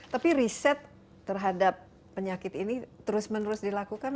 tapi riset terhadap penyakit ini terus menerus dilakukan